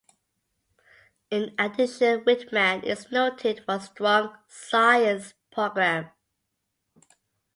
In addition, Whitman is noted for a strong science program.